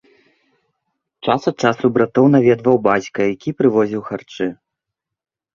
Час ад часу братоў наведваў бацька, які прывозіў харчы.